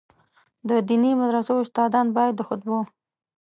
د دیني مدرسو استادان باید د خطبو.